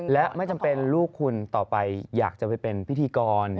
และไม่จำเป็นลูกคุณต่อไปอยากจะไปเป็นพิธีกร